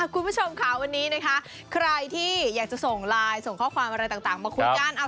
คุณผู้ชมค่ะวันนี้นะคะใครที่อยากจะส่งไลน์ส่งข้อความอะไรต่างมาคุยกัน